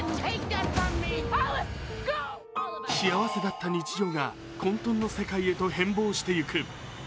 幸せだった日常が混とんの世界へと変貌していく。